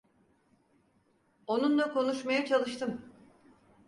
Onunla konuşmaya çalıştım.